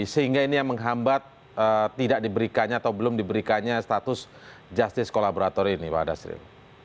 sehingga ini yang menghambat tidak diberikannya atau belum diberikannya status justice kolaborator ini pak dasril